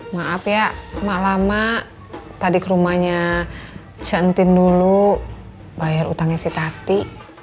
maaf ya emak lama tadi ke rumahnya cantin dulu bayar utangnya si tati